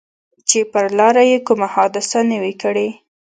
چې پر لاره یې کومه حادثه نه وي کړې.